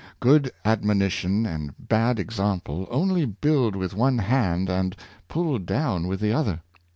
Good admonition and bad example only build with one hand and pull down with the other.